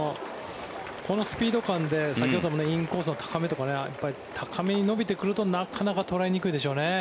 このスピード感で先ほどもインコース高めとか高めに伸びてくるとなかなか捉えにくいでしょうね。